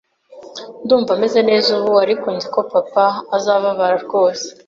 Ndumva meze neza ubu, ariko nzi ko papa azababara rwose.